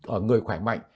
ở người khỏe mạnh